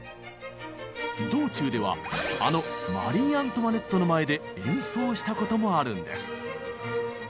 道中ではあのマリー・アントワネットの前で演奏したこともあるんです！